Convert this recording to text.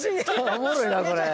おもろいなこれ。